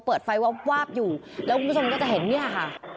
เปิดไฟวาบวาบอยู่แล้วคุณผู้ชมก็จะเห็นเนี่ยค่ะ